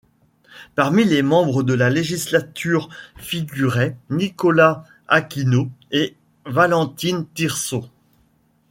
Parmi les membres de la législature figuraient Nicholas Aquino et Valentine Tirso.